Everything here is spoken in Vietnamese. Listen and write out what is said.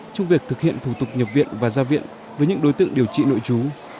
trong việc thực hiện thủ tục nhập viện và ra viện với những đối tượng điều trị nội chú